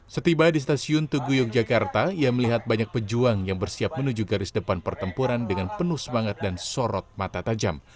setiba di stasiun tugu yogyakarta ia melihat banyak pejuang yang bersiap menuju garis depan pertempuran dengan penuh semangat dan sorot mata tajam